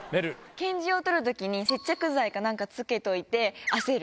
拳銃を取るときに接着剤かなんかつけといて、焦る。